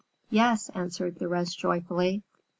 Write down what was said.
"Yes," answered the rest joyfully.